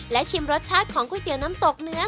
และชิมรสชาติของก๋วยเตี๋ยวน้ำตกเนื้อ